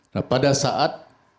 nah pada saat